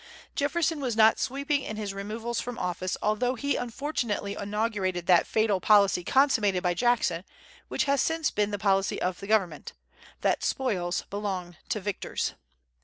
Jefferson was not sweeping in his removals from office, although he unfortunately inaugurated that fatal policy consummated by Jackson, which has since been the policy of the Government, that spoils belong to victors.